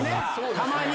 たまにね。